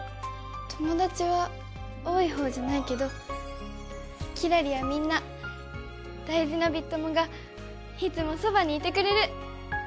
友達は多いほうじゃないけどキラリやみんな大事なビッ友がいつもそばにいてくれる！